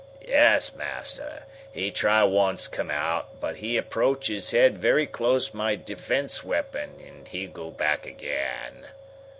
"Yes, Master! He try once come out, but he approach his head very close my defense weapon and he go back again."